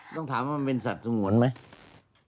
ต้องถามว่ามันเป็นสัตว์สงวนไหม